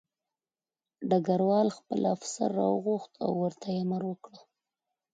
ډګروال خپل افسر راوغوښت او ورته یې امر وکړ